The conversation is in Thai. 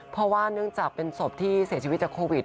เพราะว่าเนื่องจากเป็นศพที่เสียชีวิตจากโควิด